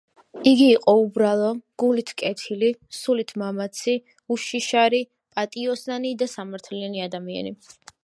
იგი იყო უბრალო, გულით კეთილი, სულით მამაცი, უშიშარი, პატიოსანი და სამართლიანი ადამიანი.